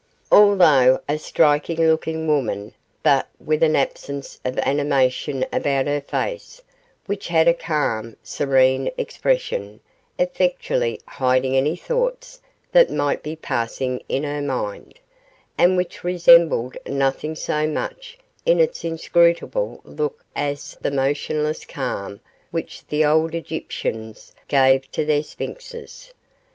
Altogether a striking looking woman, but with an absence of animation about her face, which had a calm, serene expression, effectually hiding any thoughts that might be passing in her mind, and which resembled nothing so much in its inscrutable look as the motionless calm which the old Egyptians gave to their sphinxes.